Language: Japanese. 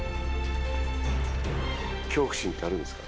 恐怖心ってあるんですか？